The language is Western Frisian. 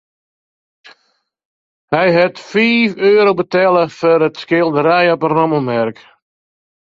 Hy hat fiif euro betelle foar it skilderij op in rommelmerk.